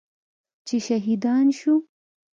چې شهیدان شو.